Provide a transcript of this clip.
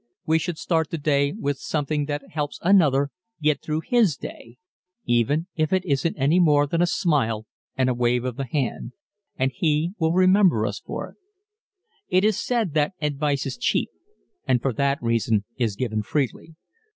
We should start the day with something that helps another get through his day ... even if it isn't any more than a smile and a wave of the hand. And he will remember us for it. It is said that advice is cheap and for that reason is given freely.